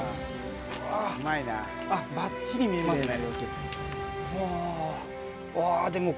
あばっちり見えますね。